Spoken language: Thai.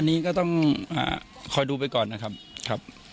อันนี้ก็ต้องคอยดูไปก่อนนะครับครับ